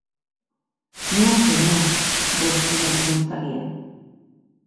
Non senhor, responec er ostalièr.